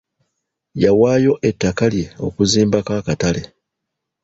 Yawaayo ettaka lye okuzimbako akatale.